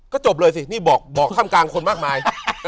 ก็จบเลยสินี่บอกท่ามกลางคนมากมาย